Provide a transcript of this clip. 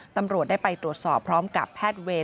ตำรวจได้ไปตรวจสอบพร้อมกับแพทย์เวร